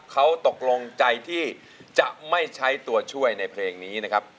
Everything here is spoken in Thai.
เขาตกลงใจที่จะไม่ใช้ตัวช่วยในเพลงนี้นะครับ